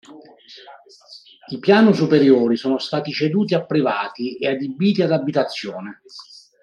I piano superiori sono stati ceduti a privati e adibiti ad abitazione.